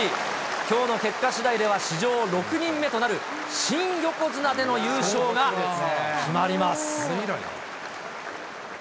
きょうの結果しだいでは、史上６人目となる新横綱での優勝が決まります。